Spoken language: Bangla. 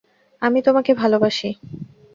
আমি তোমাকে ভালোবাসি!